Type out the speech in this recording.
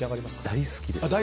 大好きです。